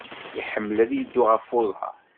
Iḥemmel ad yeddu ɣef uḍaṛ.